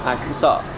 ai cũng sợ